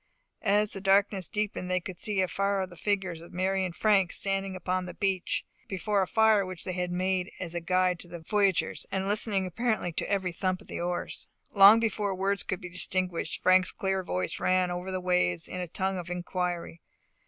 As the darkness deepened they could see afar off the figures of Mary and Frank standing upon the beach, before a fire which they had made as a guide to the voyagers, and listening apparently to every thump of the oars. Long before words could be distinguished, Frank's clear voice rang over the waters in a tone of inquiry.